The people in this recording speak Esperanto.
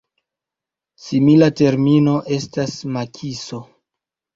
Simila termino estas makiso.